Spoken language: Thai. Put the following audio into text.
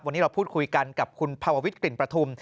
วันนี้เราพูดคุยกันกับคุณภาววิทย์กลิ่นประทุม